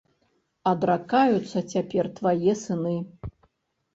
Адракаюцца цяпер твае сыны.